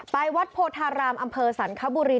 วัดโพธารามอำเภอสรรคบุรี